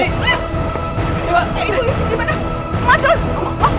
itu dia tuh gimana